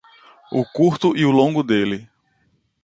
O curto e o longo dele